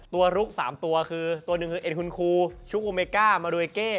ตัวลุค๓ตัวคือตัวหนึ่งคือเอ็นคุ้นคูชุกอโมเมก้ามาโดยเก้